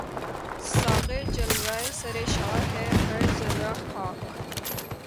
ساغر جلوۂ سرشار ہے ہر ذرۂ خاک